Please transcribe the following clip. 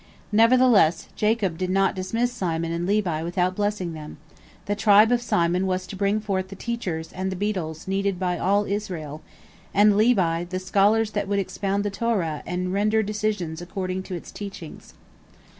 Nevertheless Jacob did not dismiss Simon and Levi without blessing them; the tribe of Simon was to bring forth the teachers and the beadles needed by all Israel, and Levi, the scholars that would expound the Torah and render decisions according to its teachings.